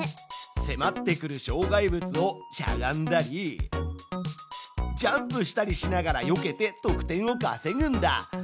せまってくる障害物をしゃがんだりジャンプしたりしながらよけて得点をかせぐんだ。